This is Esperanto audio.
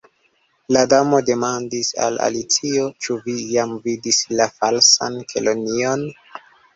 La Damo demandis al Alicio: "Ĉu vi jam vidis la Falsan Kelonion?"